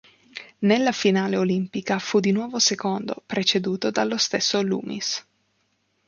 Nella finale olimpica fu di nuovo secondo preceduto dallo stesso Loomis.